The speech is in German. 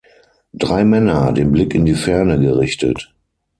Drei Männer, den Blick in die Ferne gerichtet